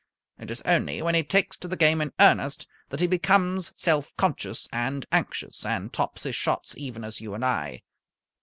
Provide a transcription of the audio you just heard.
It is only when he takes to the game in earnest that he becomes self conscious and anxious, and tops his shots even as you and I.